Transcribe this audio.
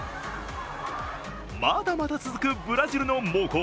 まだまだ続くブラジルの猛攻。